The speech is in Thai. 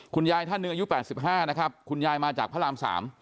ท่านหนึ่งอายุ๘๕นะครับคุณยายมาจากพระราม๓